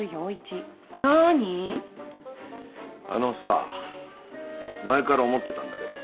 あのさ前から思ってたんだけど。